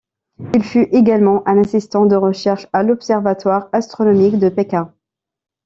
Il fut également un assistant de recherche à l'Observatoire astronomique de Pékin.